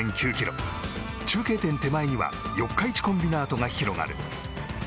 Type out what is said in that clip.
中継点手前には四日市コンビナートが広がる。